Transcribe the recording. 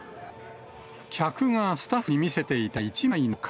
客がスタッフに見せていた１枚の紙。